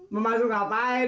mau masuk ngapain